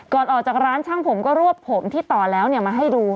ก่อนออกจากร้านช่างผมก็รวบผมที่ต่อแล้วมาให้ดู